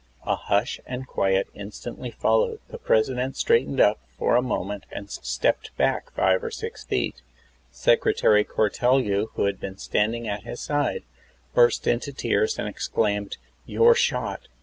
A hush and quiet instantly followed. The President straightened up for a moment and stepped back five or six feet. Secretary Cortelyou, who had been standing at his side, burst into tears, and exclaimed, 'You're shot!'